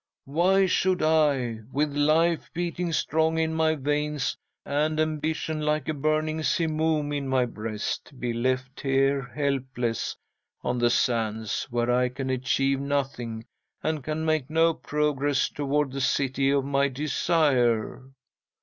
Why should I, with life beating strong in my veins, and ambition like a burning simoom in my breast, be left here helpless on the sands, where I can achieve nothing, and can make no progress toward the City of my Desire?"